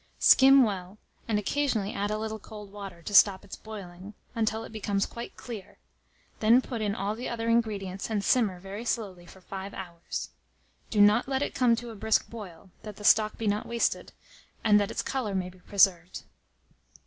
Skim well, and occasionally add a little cold water, to stop its boiling, until it becomes quite clear; then put in all the other ingredients, and simmer very slowly for 5 hours. Do not let it come to a brisk boil, that the stock be not wasted, and that its colour may be preserved.